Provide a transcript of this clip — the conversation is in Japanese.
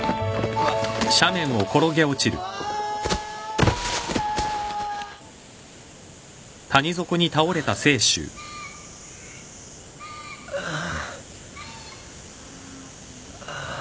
うっああ。